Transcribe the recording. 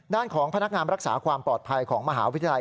ด้านของพนักงานรักษาความปลอดภัยของมหาวิทยาลัย